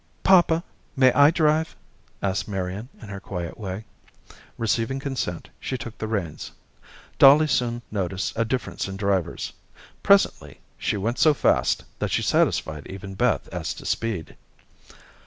"Papa, may I drive?" asked Marian in her quiet way. Receiving consent, she took the reins. Dolly soon noticed a difference in drivers. Presently she went so fast, that she satisfied even Beth as to speed.